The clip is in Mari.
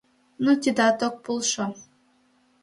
Но тидат ок полшо.